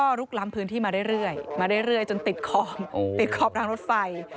แล้วก็ลุกล้ำพื้นที่มาเรื่อยจนติดขอบติดขอบด้านรถไฟ